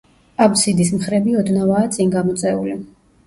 აბსიდის მხრები ოდნავაა წინ გამოწეული.